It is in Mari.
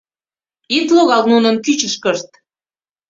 Ит логал нунын кӱчышкышт!